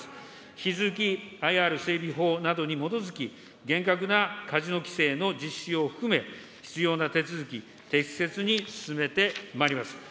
引き続きＩＲ整備法などに基づき、厳格なカジノ規制の実施を含め、必要な手続き、適切に進めてまいります。